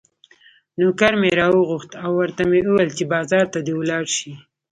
نوکر مې راوغوښت او ورته مې وویل چې بازار ته دې ولاړ شي.